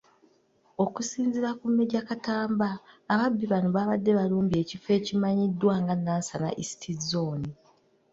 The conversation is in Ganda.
Okusinziira ku Maj. Katamba, ababbi bano baabadde balumbye ekifo ekimanyiddwa nga Nansana East zooni.